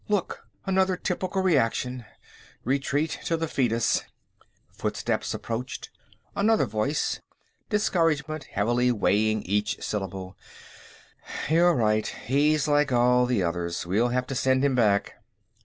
"Look. Another typical reaction; retreat to the foetus." Footsteps approached. Another voice, discouragement heavily weighting each syllable: "You're right. He's like all the others. We'll have to send him back."